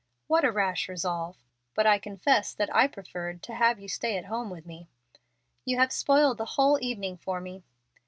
"What a rash resolve! But I confess that I preferred to have you stay at home with me." "You have spoiled the whole evening for me."